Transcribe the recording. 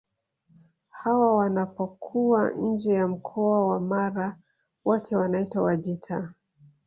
Hawa wanapokuwa nje ya mkoa wa Mara wote wanaitwa Wajita